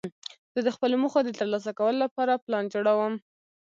زه د خپلو موخو د ترلاسه کولو له پاره پلان جوړوم.